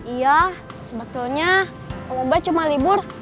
iya sebetulnya om ubed cuma libur